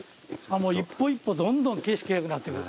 一歩一歩どんどん景色がよくなってくる。